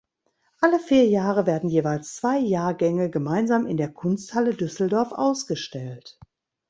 Alle vier Jahre werden jeweils zwei Jahrgänge gemeinsam in der Kunsthalle Düsseldorf ausgestellt.